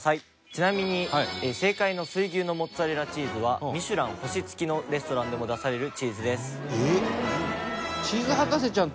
ちなみに正解の水牛のモッツァレラチーズはミシュラン星付きのレストランでも出されるチーズです。